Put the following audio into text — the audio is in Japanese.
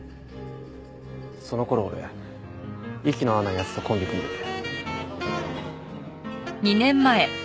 その頃俺息の合わない奴とコンビを組んでて。